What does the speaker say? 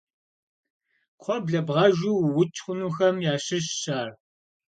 Кхъуэр блэбгъэжу уукӏ хъунухэм ящыщщ ар.